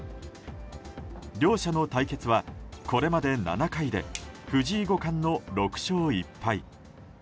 両者の対決はこれまで７回で藤井五冠の６勝１敗。